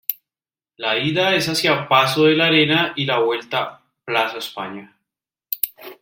La ida es hacia Paso de la Arena y la vuelta Plaza España.